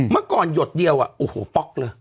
เมื่อก่อนหยดเดียวโอ้โหป๊อกเลย